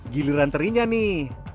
giliran terinya nih